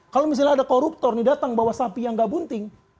kalau misalnya ada koruptor nih datang bawa sapi yang gak bunting